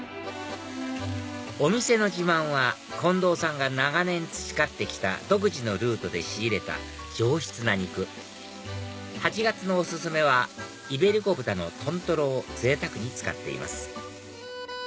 お店の自慢は近藤さんが長年培って来た独自のルートで仕入れた上質な肉８月のお薦めはイベリコ豚の豚トロをぜいたくに使っています